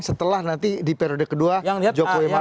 setelah nanti di periode kedua jokowi maruf